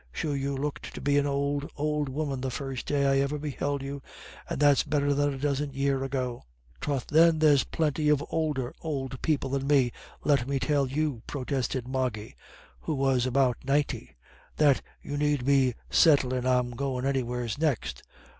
Sure you looked to be an ould, ould woman the first day I ever beheld you, and that's better than a dozen year ago." "Troth then there's plinty of oulder ould people than me, let me tell you," protested Moggy, who was about ninety, "that you need be settlin' I'm goin' anywheres next.